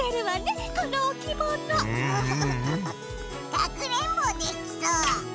かくれんぼできそう！